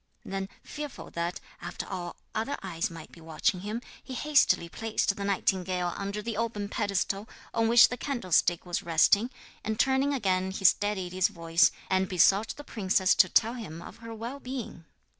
Then, fearful that after all other eyes might be watching him, he hastily placed the nightingale under the open pedestal on which the candlestick was resting, and turning again he steadied his voice, and besought the princess to tell him of her well being.